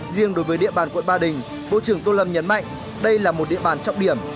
riêng đối với địa bàn quận ba đình bộ trưởng tô lâm nhấn mạnh đây là một địa bàn trọng điểm